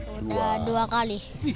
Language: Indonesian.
udah dua kali